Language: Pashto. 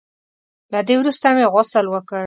له دې وروسته مې غسل وکړ.